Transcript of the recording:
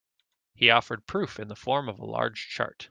He offered proof in the form of a large chart.